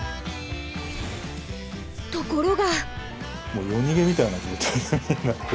ところが。